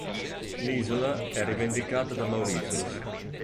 L'isola è rivendicata da Mauritius.